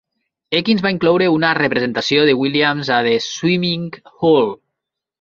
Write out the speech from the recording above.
Eakins va incloure una representació de Williams a "The Swimming Hole".